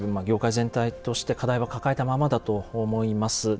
業界全体として課題は抱えたままだと思います。